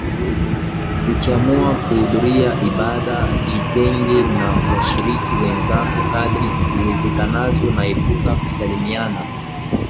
Ukiamua kuhudhuria ibada jitenge na washiriki wenzako kadri iwezekanavyo na epuka kusalimiana